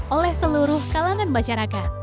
oleh seluruh kalangan masyarakat